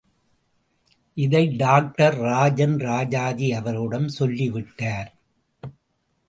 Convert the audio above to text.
இதை டாக்டர் ராஜன், ராஜாஜி அவர்களிடம் சொல்லி விட்டார்.